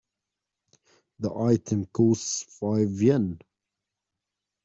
The item costs five Yen.